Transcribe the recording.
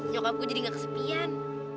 nyokap gue jadi gak kesepian